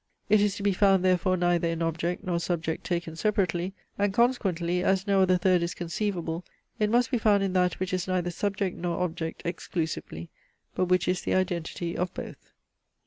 It is to be found therefore neither in object nor subject taken separately, and consequently, as no other third is conceivable, it must be found in that which is neither subject nor object exclusively, but which is the identity of both.